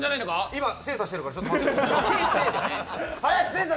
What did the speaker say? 今、精査しているからちょっと待って。